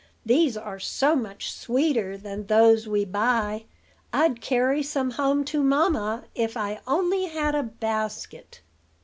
"These are so much sweeter than those we buy. I'd carry some home to mamma, if I only had a basket."